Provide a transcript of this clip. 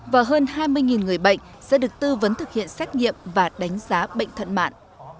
và hơn hai mươi người bệnh sẽ được tư vấn thực hiện xét nghiệm và đánh giá bệnh thận mạng